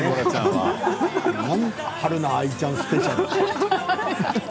はるな愛ちゃんスペシャル。